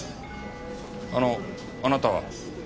あのあなたは？